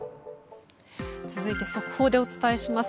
続いて速報でお伝えします。